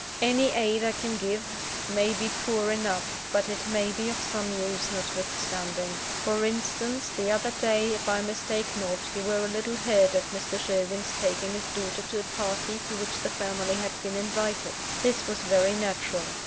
Any aid I can give, may be poor enough; but it may be of some use notwithstanding. For instance, the other day, if I mistake not, you were a little hurt at Mr. Sherwin's taking his daughter to a party to which the family had been invited. This was very natural.